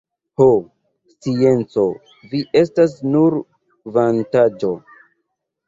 Ho! scienco, vi estas nur vantaĵo!